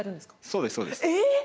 そうですそうですえっ！？